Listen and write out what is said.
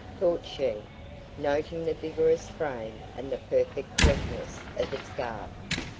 thought she, noting the vigorous frame and the perfect correctness of its garb.